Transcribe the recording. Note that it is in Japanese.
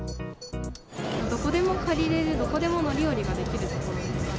どこでも借りれる、どこでも乗り降りができるところですかね。